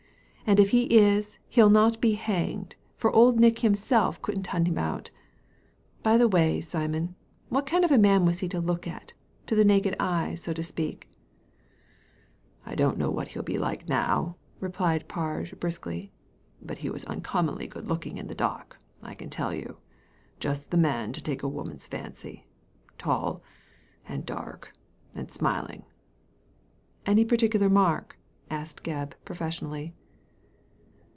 '' And if he is, he'll not be hanged ; for old Nick himself couldn't hunt him out By the way, Simon, what kind of a man was he to look at — ^to the naked eye, so to speak ?" "I don't know what he'll be like now," replied Parge, briskly; "but he was uncommonly good looking in the dock, I can tell you. Just the man to take a woman's fancy : tall, and darl^ and smiling." " Any particular mark ?" asked Gebb, professionally.